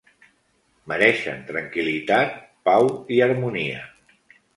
Mereixen tranquil·litat, pau i harmonia.